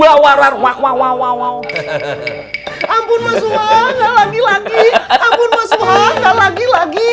ampun mas wah gak lagi lagi